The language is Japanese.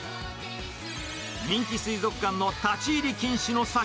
人気水族館の立ち入り禁止の先。